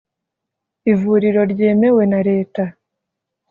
Ivuriro ryemewe na Leta.